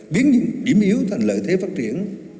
biến những điểm yếu thành lợi thế phát triển